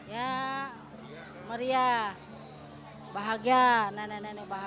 ya maria bahagia